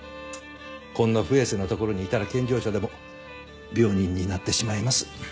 こんな不衛生な所にいたら健常者でも病人になってしまいます。